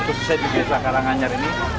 khususnya di desa karanganyar ini